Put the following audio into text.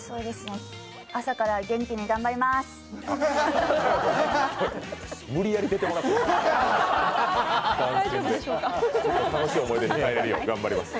朝から元気に頑張ります。